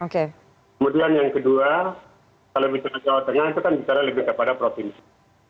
kemudian yang kedua kalau bicara jawa tengah itu kan bicara lebih kepada provinsi